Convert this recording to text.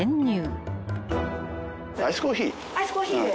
アイスコーヒーで。